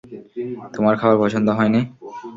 তোমার খাবার পছন্দ হয় নি?